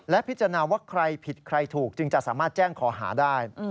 และพิจารณาว่าใครผิดใครถูกจึงจะสามารถแจ้งขอหาได้